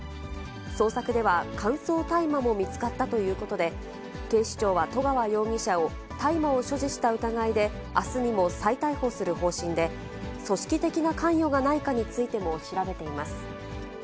捜索では乾燥大麻も見つかったということで、警視庁は十川容疑者を大麻を所持した疑いであすにも再逮捕する方針で、組織的な関与がないかについても調べています。